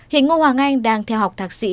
hiện ngô hoàng anh đang theo học thạc sĩ